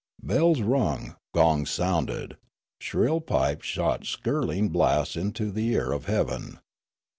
Bells rung, gongs sounded, shrill pipes shot skirling blasts into the ear of heaven.